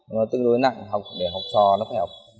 nó tương đối nặng để học cho nó phải học